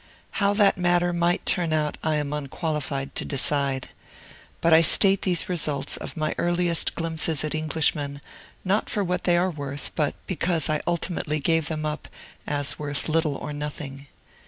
How that matter might turn out, I am unqualified to decide. But I state these results of my earliest glimpses at Englishmen, not for what they are worth, but because I ultimately gave them up as worth little or nothing.